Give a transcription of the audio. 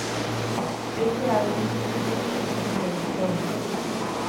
Este álbum puso fin a su trayectoria.